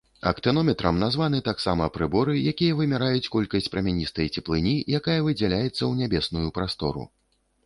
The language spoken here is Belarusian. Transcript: Актынометрам названы таксама прыборы, якія вымяраюць колькасць прамяністай цеплыні, якая выдзяляецца ў нябесную прастору.